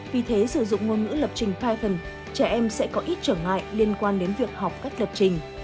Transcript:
vì thế sử dụng ngôn ngữ lập trình python trẻ em sẽ có ít trở ngại liên quan đến việc học các lập trình